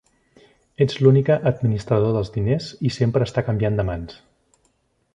Ets l'única administrador dels diners i sempre està canviant de mans.